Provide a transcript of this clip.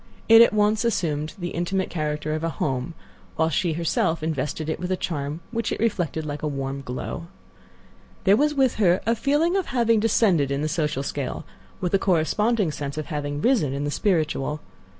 It at once assumed the intimate character of a home, while she herself invested it with a charm which it reflected like a warm glow. There was with her a feeling of having descended in the social scale, with a corresponding sense of having risen in the spiritual.